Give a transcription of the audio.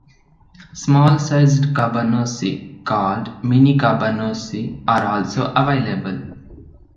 Small sized cabanossi, called mini-cabanossi are also available.